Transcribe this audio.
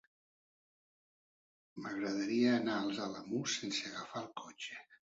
M'agradaria anar als Alamús sense agafar el cotxe.